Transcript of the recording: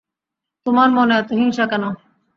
তোমার মনে এত হিংসা কেন?